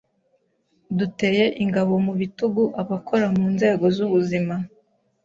Duteye ingabo mu bitugu abakora mu nzego z’ubuzima